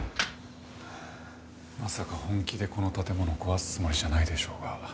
まさか本気でこの建物を壊すつもりじゃないでしょうが。